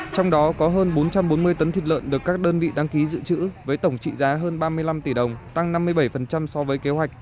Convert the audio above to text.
trong đó có hơn bốn trăm bốn mươi tấn thịt lợn được các đơn vị đăng ký dự trữ với tổng trị giá hơn ba mươi năm tỷ đồng tăng năm mươi bảy so với kế hoạch